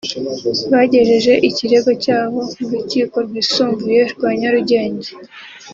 bagejeje ikirego cyabo mu rukiko rwisumbuye rwa Nyarugenge